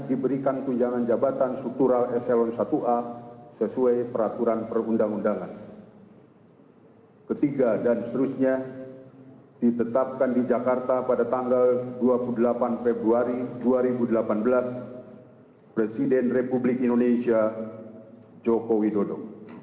indonesia joko widodo